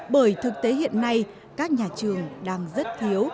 bởi thực tế hiện nay các nhà trường đang rất thiếu